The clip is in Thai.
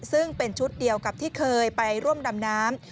ซึ่งเป็นชุดเดียวกับที่เคยไปร่วมดำน้ำ